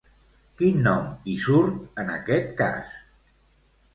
Quin nom hi surt en aquest cas?